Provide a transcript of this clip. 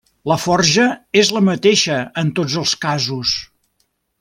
La forja és la mateixa en tots els casos.